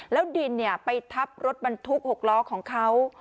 แล้วดินไปทับรถบรรทุก๖ล้อของเขา